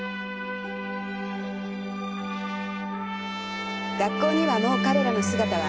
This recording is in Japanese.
学校にはもう彼らの姿はありません。